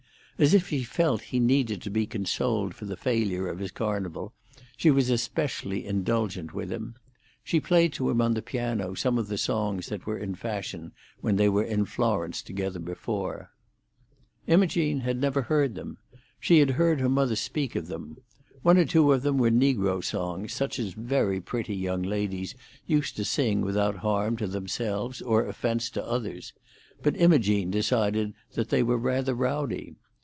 As if she felt that he needed to be consoled for the failure of his Carnival, she was especially indulgent with him. She played to him on the piano some of the songs that were in fashion when they were in Florence together before. Imogene had never heard them; she had heard her mother speak of them. One or two of them were negro songs, such as very pretty young ladies used to sing without harm to themselves or offence to others; but Imogene decided that they were rather rowdy.